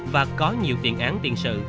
và có nhiều tiền án tiền sự